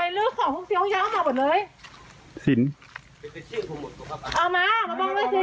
เป็นเรื่องของพวกเจ้าของเจ้ามาหมดเลยสินเอามามาบอกเลยอยู่ไหน